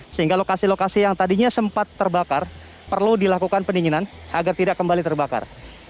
sehingga lokasi lokasi yang tadinya sempat terbakar perlu dilakukan pendinginan agar tidak kembali terbakar